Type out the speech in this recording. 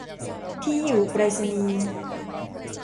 ที่อยู่ไปรษณีย์